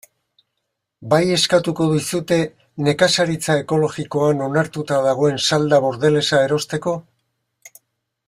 Bai eskatuko dizute nekazaritza ekologikoan onartuta dagoen salda bordelesa erosteko?